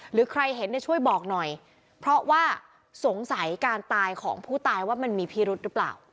หรือใครเห็นเนี่ยช่วยบอกหน่อยเพราะว่าสงสัยการตายของผู้ตายว่ามันมีพิรุษหรือเปล่า